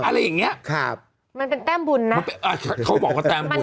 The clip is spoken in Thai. อะไรอย่างเงี้ยครับมันเป็นแต้มบุญนะเขาบอกว่าแต้มบุญ